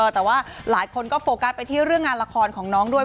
แต่ว่าหลายคนก็โฟกัสไปที่เรื่องงานละครของน้องด้วย